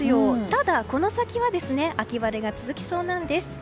ただ、この先は秋晴れが続きそうなんです。